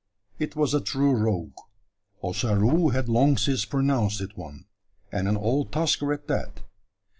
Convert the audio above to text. It was a true rogue Ossaroo had long since pronounced it one and an "old tusker" at that.